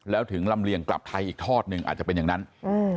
แล้วถึงลำเลียงกลับไทยอีกทอดหนึ่งอาจจะเป็นอย่างนั้นอืม